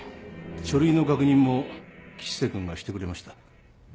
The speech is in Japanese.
書類の確認も吉瀬くんがしてくれました。